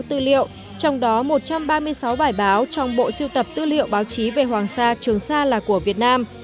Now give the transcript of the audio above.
tư liệu trong đó một trăm ba mươi sáu bài báo trong bộ siêu tập tư liệu báo chí về hoàng sa trường sa là của việt nam